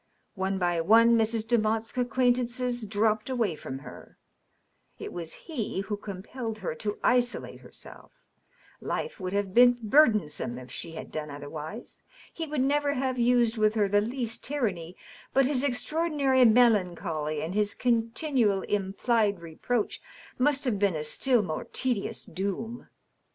One by one Mrs. Demotte's acquaintances dropped away from her ; it was he who compelled her to isolate herself; life would have been burdensome if she had done otherwise ; he would never have used with her the least tyranny, but his extraordinary melancholy and his continual implied reproach must have been a still more tedious doom.